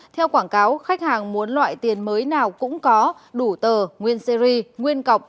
theo quảng cáo khách hàng muốn loại tiền mới nào cũng có đủ tờ nguyên series nguyên cọc